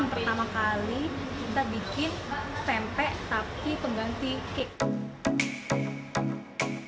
pertama kali kita bikin mpe mpe tapi pengganti cake